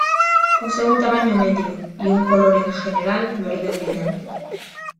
Posee un tamaño medio y un color, en general, verde brillante.